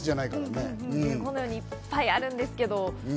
このようにいっぱいあるんですけど。